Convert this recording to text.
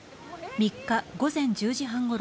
３日午前１０時半ごろ